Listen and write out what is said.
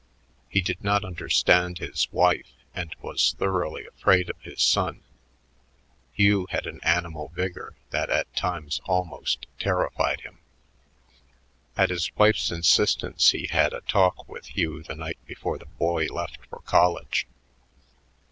He did not understand his wife and was thoroughly afraid of his son; Hugh had an animal vigor that at times almost terrified him. At his wife's insistence he had a talk with Hugh the night before the boy left for college.